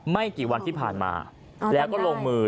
ไม่กี่วันที่ผ่านมาแล้วก็ลงมือ